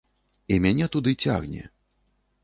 І мяне туды цягне.